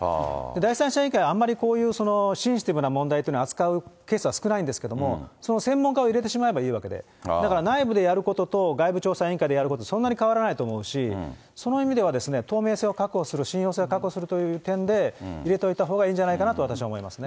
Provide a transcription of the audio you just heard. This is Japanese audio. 第三者委員会はあんまりこういうセンシティブな問題というのを扱うケースは少ないんですけれども、その専門家を入れてしまえばいいわけで、だから内部でやることと外部調査委員会でやること、そんなに変わらないと思うし、その意味では、透明性を確保する、信用性を確保するという点で、入れといたほうがいいんじゃないかなと私は思いますね。